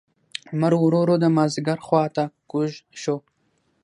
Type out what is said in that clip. لمر ورو ورو د مازیګر خوا ته کږ شو.